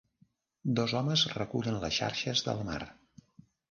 Dos homes recullen les xarxes del mar.